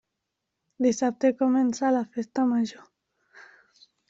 Dissabte comença la Festa Major.